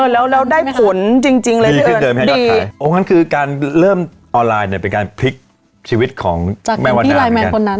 เออแล้วแล้วได้ผลจริงจริงเลยดีคือการเริ่มออนไลน์เนี้ยเป็นการพลิกชีวิตของแม่วันนาจากพี่ไลน์แมนคนนั้น